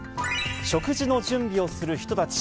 食事の準備をする人たち。